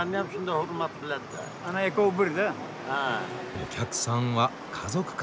お客さんは家族か。